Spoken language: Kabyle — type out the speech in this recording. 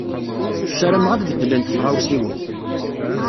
Ssarameɣ ad beddlent tɣawsiwin.